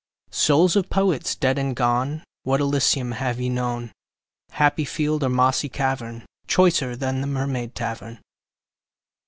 Souls of Poets dead and gone, What Elysium have ye known, Happy field or mossy cavern, Choicer than the Mermaid Tavern?